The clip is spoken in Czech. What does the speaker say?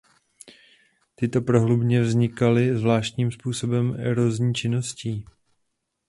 Tyto prohlubně vznikly zvláštním způsobem erozní činnosti.